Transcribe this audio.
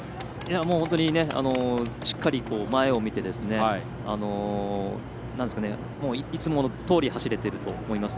本当にしっかり前を見ていつものとおり走れていると思います。